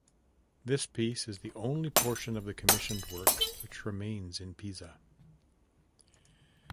This piece is the only portion of the commissioned work which remains in Pisa.